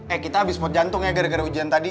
eh kita abis pot jantung ya gara gara ujian tadi